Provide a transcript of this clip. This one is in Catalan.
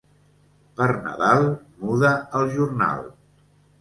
Per Nadal muda el jornal.